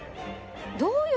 どういう事？